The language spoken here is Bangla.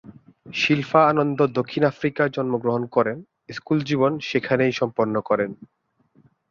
শিল্পা আনন্দ দক্ষিণ আফ্রিকায় জন্মগ্রহণ করেন, স্কুল জীবন সেখানেই সম্পন্ন করেন।